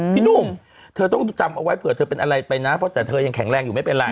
พี่หนุ่มเธอต้องจำเอาไว้เผื่อเธอเป็นอะไรไปนะเพราะแต่เธอยังแข็งแรงอยู่ไม่เป็นไร